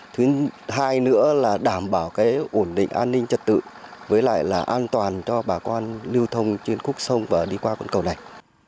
thứ hai nữa là đảm bảo cái ổn định an ninh trật tự với lại là an toàn cho bà con lưu thông trên khúc sông và đi qua con cầu này